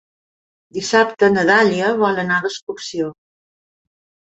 Dissabte na Dàlia vol anar d'excursió.